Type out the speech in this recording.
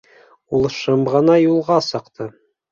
Ул шым ғына юлға сыҡты.